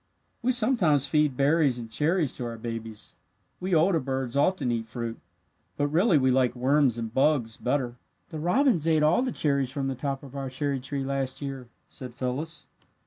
"We sometimes feed berries and cherries to our babies. We older birds often eat fruit, but really we like worms and bugs better." "The robins ate all the cherries from the top of our cherry tree last year," said Phyllis.